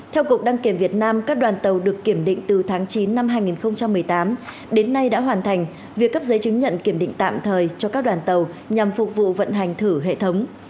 theo cục đăng kiểm việt nam các đoàn tàu được kiểm định từ tháng chín năm hai nghìn một mươi tám đến nay đã hoàn thành việc cấp giấy chứng nhận kiểm định tạm thời cho các đoàn tàu nhằm phục vụ vận hành thử hệ thống